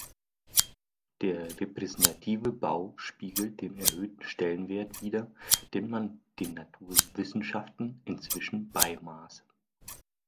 Der repräsentative Bau spiegelt den erhöhten Stellenwert wider, den man den Naturwissenschaften inzwischen beimaß.